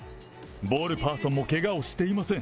ボールパーソンもけがをしていません。